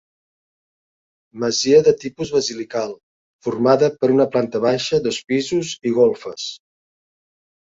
Masia de tipus basilical, formada per una planta baixa, dos pisos i golfes.